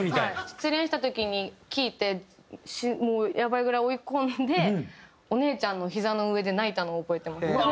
失恋した時に聴いてもうやばいぐらい追い込んでお姉ちゃんのひざの上で泣いたのを覚えてます。